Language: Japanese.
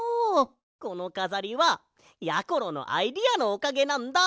このかざりはやころのアイデアのおかげなんだ。